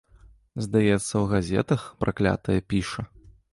Здаецца, у газетах, праклятая, піша.